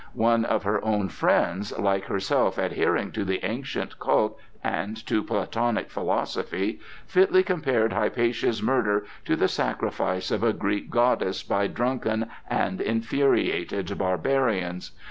One of her own friends, like herself adhering to the ancient cult and to Platonic philosophy, fitly compared Hypatia's murder to the sacrifice of a Greek goddess by drunken and infuriated barbarians.